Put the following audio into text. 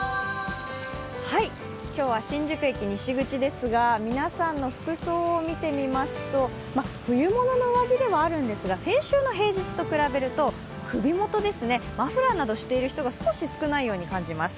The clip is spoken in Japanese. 今日は新宿駅西口ですが皆さんの服装を見てみますと冬物の上着ではあるんですが先週の平日と比べると首元ですね、マフラーなどしている人が少し少ないように感じます。